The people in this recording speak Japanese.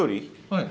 はい。